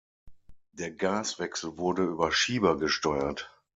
Der Gaswechsel wurde über Schieber gesteuert.